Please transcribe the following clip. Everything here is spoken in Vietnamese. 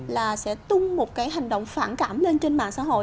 là sẽ tung một cái hành động phản cảm lên trên mạng xã hội